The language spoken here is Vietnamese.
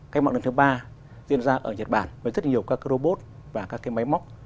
cách mạng lần thứ ba diễn ra ở nhật bản với rất nhiều các robot và các máy móc